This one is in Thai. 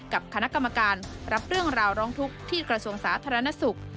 กับคณะกรรมการรับเรื่องราวร้องทุกข์ที่กระทรวงศาสน์ธรรณนักศึกษ์